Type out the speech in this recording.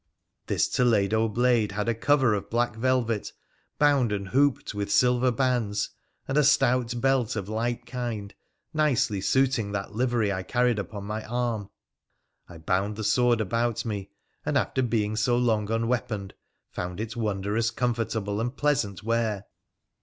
This Toledo blade had a cover of black velvet, bound and hooped with silver bands, and a stout belt of like kind, nicely suiting that livery I carried upon my arm. I bound the sword about me, and, after being so long unweaponed, found it wondrous comfortable and pleasant wear.